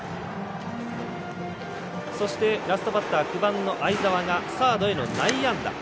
そして、ラストバッター９番の相澤がサードへの内野安打。